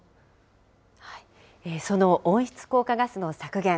その温室効果ガスの削減。